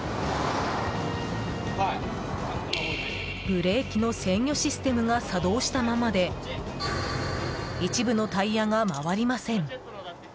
ブレーキの制御システムが作動したままで一部のタイヤが回りません。